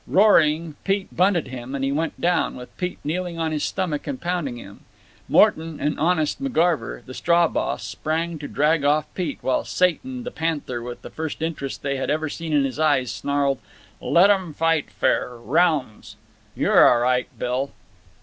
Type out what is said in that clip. Roaring, Pete bunted him, and he went down, with Pete kneeling on his stomach and pounding him. Morton and honest McGarver, the straw boss, sprang to drag off Pete, while Satan, the panther, with the first interest they had ever seen in his eyes, snarled: "Let 'em fight fair. Rounds. You're a' right, Bill."